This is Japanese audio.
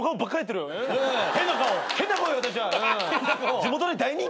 地元で大人気よ